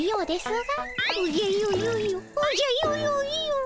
おじゃよよよおじゃよよよ。